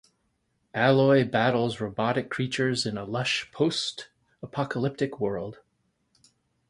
Aloy battles robotic creatures in a lush, post-apocalyptic world.